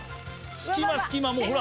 隙間隙間もほら！